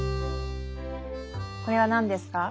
これは何ですか？